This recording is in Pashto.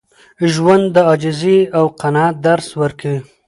ژوند د عاجزۍ او قناعت درس ورکوي.